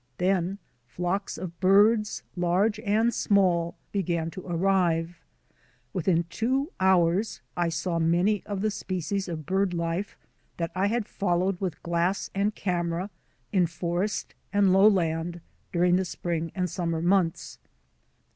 Then flocks of birds, large and small, began to arrive. Within two hours I saw many of the species of bird life that I had followed with glass and camera in THE ARCTIC ZONE OF HIGH MOUNTAINS 99 forest and lowland during the spring and summer months.